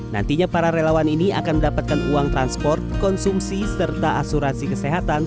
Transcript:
nantinya para relawan ini akan mendapatkan uang transport konsumsi serta asuransi kesehatan